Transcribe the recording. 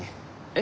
え？